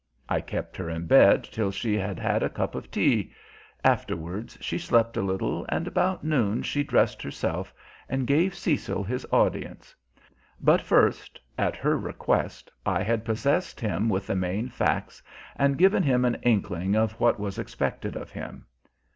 I kept her in bed till she had had a cup of tea; afterward she slept a little, and about noon she dressed herself and gave Cecil his audience. But first, at her request, I had possessed him with the main facts and given him an inkling of what was expected of him.